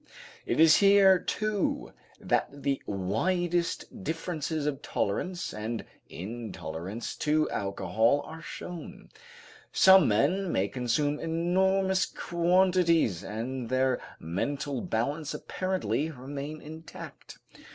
It is here, too, that the widest differences of tolerance and intolerance to alcohol are shown. Some men may consume enormous quantities and their mental balance apparently remain intact.